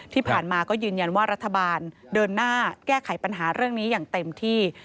ที่ผ่านมาก็ยืนยันว่ารัฐบาลเดินหน้าแก้ไขปัญหาเรื่องนี้อย่างเต็มที่